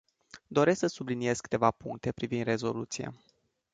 Doresc să subliniez câteva puncte privind rezoluția.